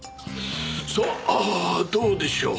さあどうでしょう。